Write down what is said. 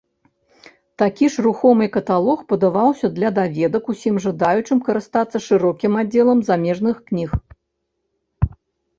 Такі ж рухомай каталог падаваўся для даведак усім жадаючым карыстацца шырокім аддзелам замежных кніг.